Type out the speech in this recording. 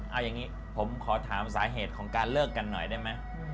เอาอย่างนี้ผมขอถามสาเหตุของการเลิกกันหน่อยได้ไหม